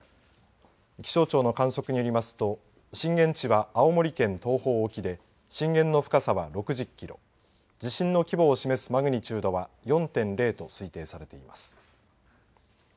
気象庁の観測によりますと震源地は青森県東方沖で震源の深さは６０キロ地震の規模を示すマグニチュードは４．０と推定されています。